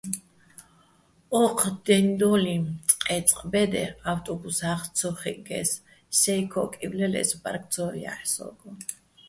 ოჴ დე́ნიდო́ლიჼ წყე́წყ ბე́დეჼ ავტობუსახ ცო ხიჸგეს, სეჲ ქოკევ ლელე́ს ბარგ ცო ჲაჰ̦ე̆ სოგო̆.